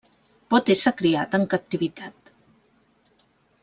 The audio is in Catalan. Pot ésser criat en captivitat.